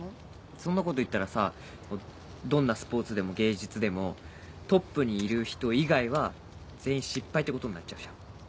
そんなこと言ったらさどんなスポーツでも芸術でもトップにいる人以外は全員失敗ってことになっちゃうじゃん。